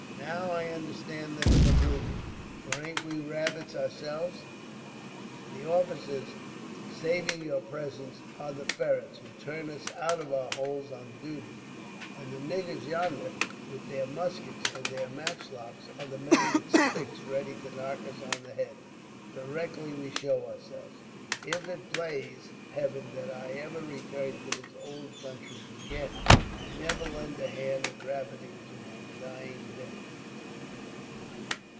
Now I understand them complately, for ain't we rabbits ourselves? The officers, saving your presence, are the ferrits who turn us out of our holes on duty; and the niggers yonder, with their muskets and their matchlocks, are the men with sticks, ready to knock us on head, directly we show ourselves. If it plase Heaven that I ever return to the ould country again, I'll niver lend a hand at rabbiting, to my dying day."